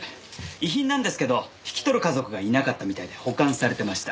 遺品なんですけど引き取る家族がいなかったみたいで保管されていました。